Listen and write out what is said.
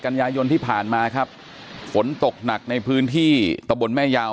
กันยายนที่ผ่านมาครับฝนตกหนักในพื้นที่ตะบนแม่ยาว